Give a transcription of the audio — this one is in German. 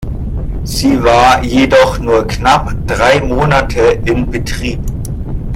Sie war jedoch nur knapp drei Monate in Betrieb.